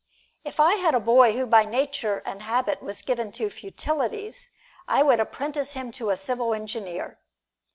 If I had a boy who by nature and habit was given to futilities, I would apprentice him to a civil engineer.